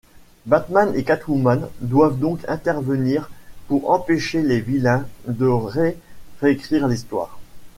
Batman et Catwoman doivent donc intervenir pour empêcher les vilains de ré-écrire l'histoire.